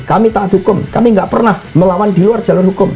kami taat hukum kami tidak pernah melawan di luar jalur hukum